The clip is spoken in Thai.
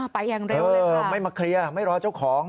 ไปอย่างเร็วเลยไม่มาเคลียร์ไม่รอเจ้าของ